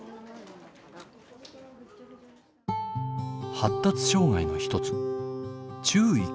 発達障害の一つ注意欠如